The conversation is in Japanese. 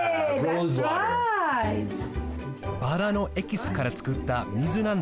バラのエキスからつくった水なんだって！